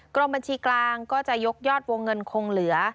กรมบัญชีกลางก็จะยกยอดวงเงินคงเหลือ